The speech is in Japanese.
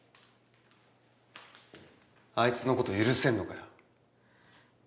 あいつのこと許せんのかよ？